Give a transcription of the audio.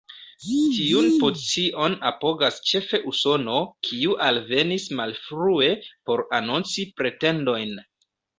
Tiun pozicion apogas ĉefe Usono, kiu alvenis malfrue por anonci pretendojn.